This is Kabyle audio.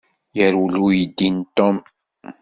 Yerwel uydi n Tom.